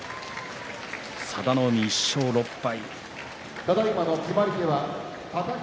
佐田の海１勝６敗。